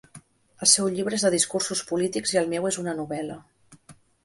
El seu llibre és de discursos polítics i el meu és una novel·la.